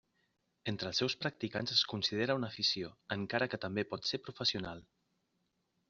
Entre els seus practicants es considera una afició, encara que també pot ser professional.